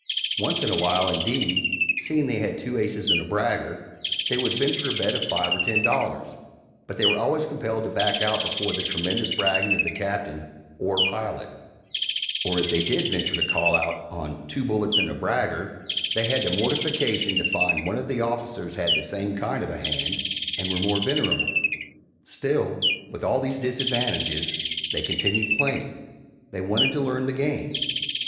Once in a while, indeed, seeing they had two aces and a bragger, they would venture a bet of five or ten dollars, but they were always compelled to back out before the tremendous bragging of the Captain or pilot or if they did venture to "call out" on "two bullits and a bragger," they had the mortification to find one of the officers had the same kind of a hand, and were more venerable! Still, with all these disadvantages, they continued playing they wanted to learn the game.